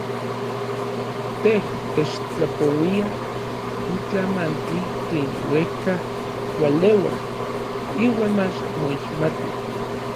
Tej techtlapouia n tlamantli tlen uejka ualeua iuan mach moixmati.